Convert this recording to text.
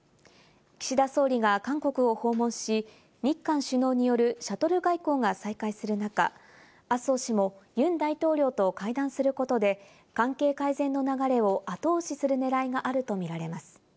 岸田総理が韓国を訪問し、日韓首脳によるシャトル外交が再開する中、麻生氏もユン大統領と会談することで、関係改善の流れを後押しするねらいがあるとみられます。